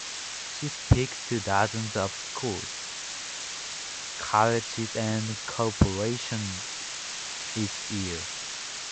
She speaks to dozens of schools, colleges and corporations each year.